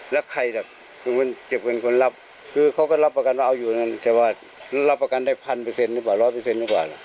แล้วใครจบเป็นคนรับก็รับประกันได้๑๐๐๐หรือ๑๐๐บ่อย